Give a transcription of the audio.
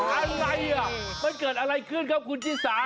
อะไรอ่ะมันเกิดอะไรขึ้นครับคุณชิสา